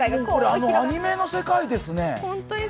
アニメの世界ですね。